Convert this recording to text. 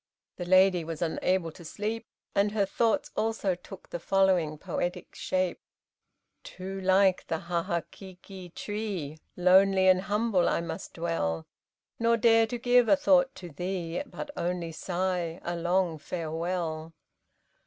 The lady was unable to sleep, and her thoughts also took the following poetic shape: Too like the Hahaki gi tree, Lonely and humble, I must dwell, Nor dare to give a thought to thee, But only sigh a long farewell.